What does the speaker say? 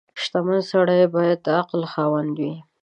• شتمن سړی باید د عقل خاوند وي.